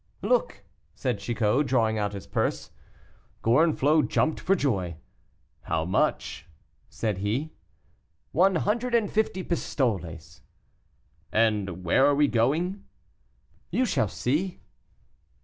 "Look," said Chicot, drawing out his purse. Gorenflot jumped for joy. "How much?" said he. "One hundred and fifty pistoles." "And where are we going?" "You shall see."